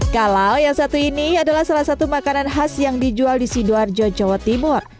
kalau yang satu ini adalah salah satu makanan khas yang dijual di sidoarjo jawa timur